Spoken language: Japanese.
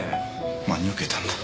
真に受けたんだ。